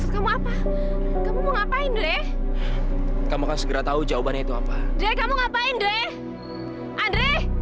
kamu apa kamu mau ngapain dlai kamu akan segera tahu jawabannya itu apa deh kamu ngapain deh andre